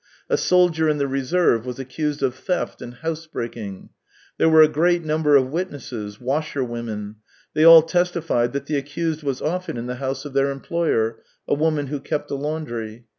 A soldier in the reserve was accused of theft and house breaking. There were a great number of witnesses, washerwomen; they all testified that the accused was often in the house of their employer — a woman who kept a laundry.